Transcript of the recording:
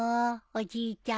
おじいちゃん。